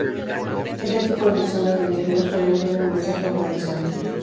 Este tipo de escenas de interior solían tener un mensaje moralizante.